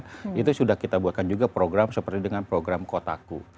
jadi itu sudah kita buatkan juga program seperti dengan program kotaku